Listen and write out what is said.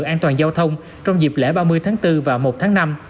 an toàn giao thông trong dịp lễ ba mươi tháng bốn và một tháng năm